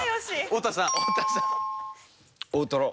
太田さん